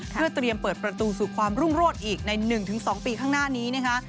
เพื่อเปิดประตูสู่ความรุ่นโรดอีกในหนึ่งถึงสองปีข้างหน้านี้